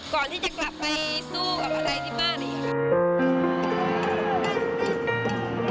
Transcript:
ก่อนที่จะกลับไปสู้กับอะไรที่บ้านอีก